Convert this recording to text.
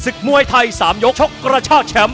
มวยไทย๓ยกชกกระชากแชมป์